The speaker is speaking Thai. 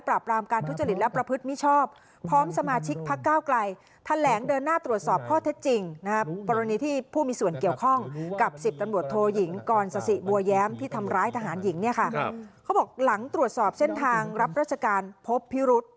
อาหารหญิงเนี่ยค่ะเขาบอกหลังตรวจสอบเช่นทางรับราชการพบพิรุษ